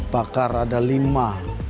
bakar ada lima